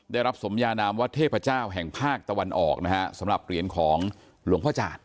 ได้รับสมยานามว่าเทพเจ้าแห่งภาคตะวันออกนะฮะสำหรับเหรียญของหลวงพ่อจาด